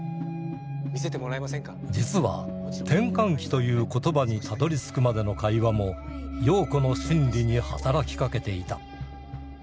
実は「転換期」という言葉にたどりつくまでの会話も陽子の心理に働きかけていた。